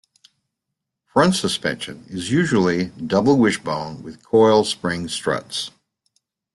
Front suspension is usually double wishbone with coil spring struts.